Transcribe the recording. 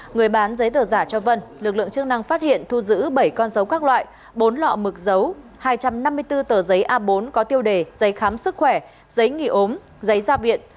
người bán giấy tờ giả cho vân lực lượng chức năng phát hiện thu giữ bảy con dấu các loại bốn lọ mực dấu hai trăm năm mươi bốn tờ giấy a bốn có tiêu đề giấy khám sức khỏe giấy nghỉ ốm giấy gia viện